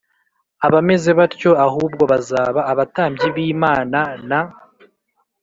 abameze batyo, ahubwo bazaba abatambyi b'imana na